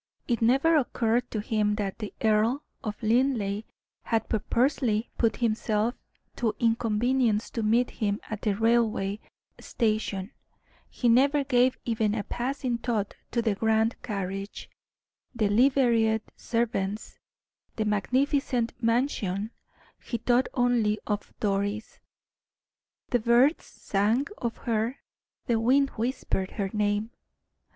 It never occurred to him that the Earl of Linleigh had purposely put himself to inconvenience to meet him at the railway station; he never gave even a passing thought to the grand carriage, the liveried servants, the magnificent mansion; he thought only of Doris the birds sang of her, the wind whispered her name.